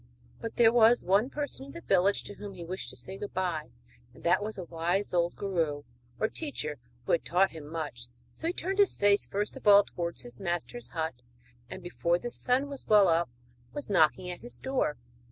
But there was one person in the village to whom he wished to say good bye, and that was a wise old guru, or teacher, who had taught him much. So he turned his face first of all towards his master's hut, and before the sun was well up was knocking at his door.